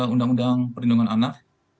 undang undang perlindungan anak